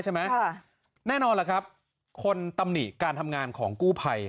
ใช่ไหมค่ะแน่นอนล่ะครับคนตำหนิการทำงานของกู้ภัย